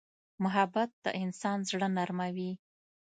محبت د انسان زړه نرموي.